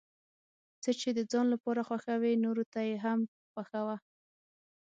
څه چې د ځان لپاره خوښوې نورو ته یې هم خوښوه.